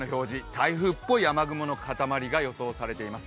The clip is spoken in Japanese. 台風っぽい雨雲のかたまりが予想されています。